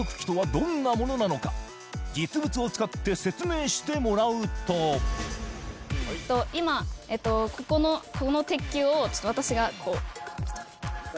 実物を使って説明してもらうと今えっとここのこの鉄球をちょっと私がこう・